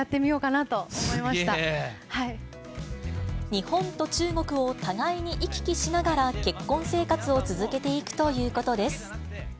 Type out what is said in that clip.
日本と中国を互いに行き来しながら、結婚生活を続けていくということです。